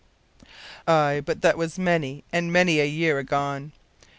Ay, but that was many and many a year agone.